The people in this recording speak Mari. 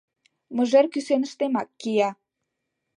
Мыжер кӱсеныштемак кия.